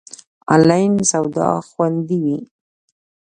آنلاین سودا خوندی وی؟